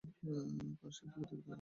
কার সাথে দেখা করতে চান?